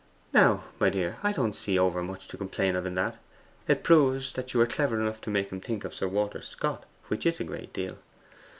Now, my dear, I don't see overmuch to complain of in that. It proves that you were clever enough to make him think of Sir Walter Scott, which is a great deal.